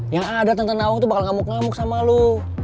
yang ada tentang awang bakal ngamuk ngamuk sama lu